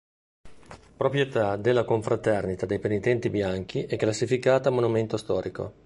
Proprietà della Confraternita dei Penitenti Bianchi e classificata Monumento Storico.